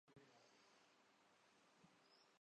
یہ صلاحیت اپنے عروج پر دکھائی دیتی ہے